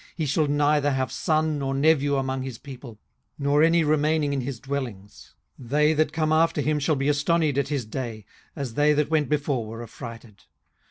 18:018:019 He shall neither have son nor nephew among his people, nor any remaining in his dwellings. 18:018:020 They that come after him shall be astonied at his day, as they that went before were affrighted.